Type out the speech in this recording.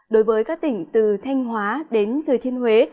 đối với các tỉnh từ thanh hóa đến thừa thiên huế